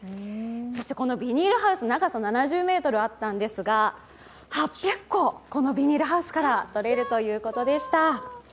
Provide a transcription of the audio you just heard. そしてビニールハウス、長さ７０ｍあったんですが、このビニールハウスからとれるということでした。